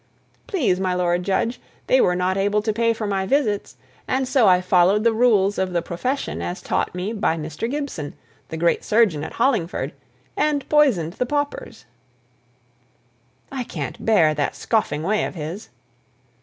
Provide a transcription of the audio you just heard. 'Please, my lord judge, they were not able to pay for my visits, and so I followed the rules of the profession as taught me by Mr. Gibson, the great surgeon at Hollingford, and poisoned the paupers.'" "I can't bear that scoffing way of his."